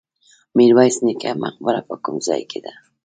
میرویس نیکه مقبره په کوم ځای کې ده؟